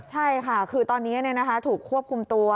ใช่ค่ะคือตอนนี้ถูกควบคุมตัว